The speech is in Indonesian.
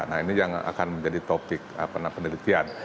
nah ini yang akan menjadi topik penelitian